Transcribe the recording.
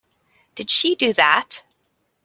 Did she do that?